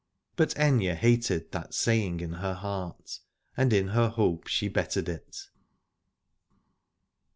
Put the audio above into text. But Aithne hated that saying in her heart, and in her hope she bettered it.